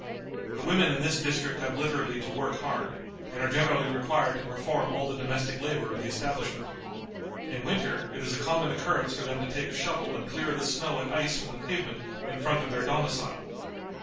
The women in this district have literally to work hard, and are generally required to perform all the domestic labor of the establishment. In winter it is a common occurrence for them to take a shovel and clear the snow and ice from the pavement in front of their domicile.